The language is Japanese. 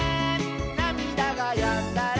「なみだがやんだら」